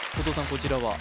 こちらは？